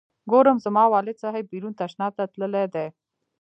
ګورم زما والد صاحب بیرون تشناب ته تللی دی.